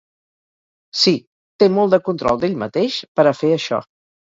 Sí, té molt de control d'ell mateix per a fer això.